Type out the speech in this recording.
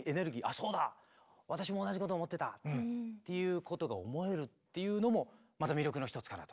「そうだ私も同じこと思ってた」っていうことが思えるっていうのもまた魅力の一つかなと。